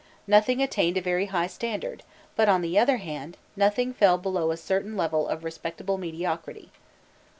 Nothing attained a very high standard, but, on the other hand, nothing fell below a certain level of respectable mediocrity.